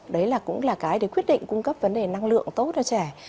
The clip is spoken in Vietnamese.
đấy là cũng là cái để quyết định cung cấp vấn đề năng lượng tốt cho trẻ